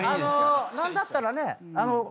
何だったらね。